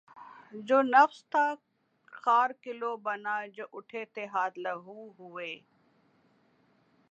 جو نفس تھا خار گلو بنا جو اٹھے تھے ہاتھ لہو ہوئے